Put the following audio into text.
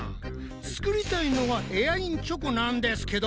作りたいのはエアインチョコなんですけど。